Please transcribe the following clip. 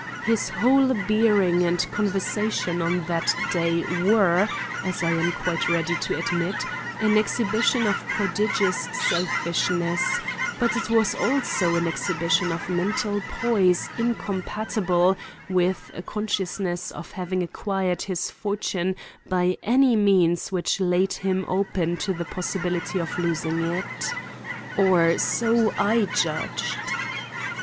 His whole bearing and conversation on that day were, as I am quite ready to admit, an exhibition of prodigious selfishness; but it was also an exhibition of mental poise incompatible with a consciousness of having acquired his fortune by any means which laid him open to the possibility of losing it. Or so I judged.